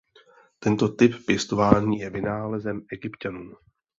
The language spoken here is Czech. Tento typ pěstování je vynálezem Egypťanů.